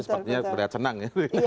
sepertinya terlihat senang